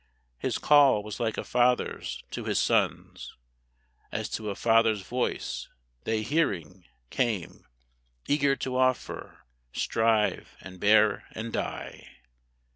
"His call was like a father's to his sons! As to a father's voice, they, hearing, came Eager to offer, strive, and bear, and die.